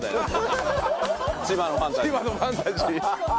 千葉のファンタジー。